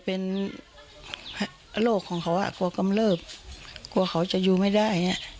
พ่อเขาจะอยู่ไม่ได้